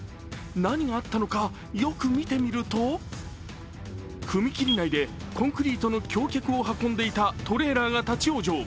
何があったのか、よく見てみると踏切内でコンクリートの橋脚を運んでいたトレーラーが立ち往生。